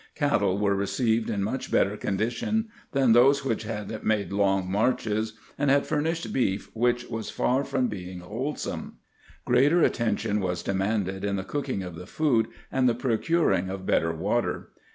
Cattle were received in much better con dition than those which had made long marches and had furnished beef which was far from being whole some. Greater attention was demanded in the cooking of the food and the procuring of better water.